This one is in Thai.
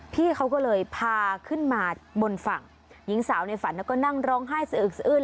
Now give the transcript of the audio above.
พี่เขาก็เลยพาขึ้นมาบนฝั่งหญิงสาวในฝันก็นั่งร้องไห้สะอึกสะอื้น